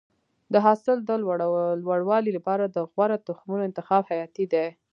د حاصل د لوړوالي لپاره د غوره تخمونو انتخاب حیاتي دی.